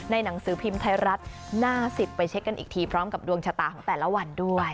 หนังสือพิมพ์ไทยรัฐหน้า๑๐ไปเช็คกันอีกทีพร้อมกับดวงชะตาของแต่ละวันด้วย